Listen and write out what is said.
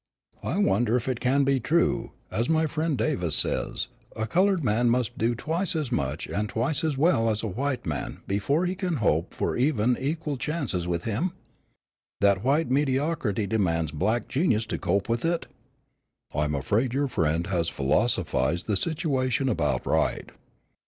"I wonder if it can be true, as my friend Davis says, that a colored man must do twice as much and twice as well as a white man before he can hope for even equal chances with him? That white mediocrity demands black genius to cope with it?" "I am afraid your friend has philosophized the situation about right."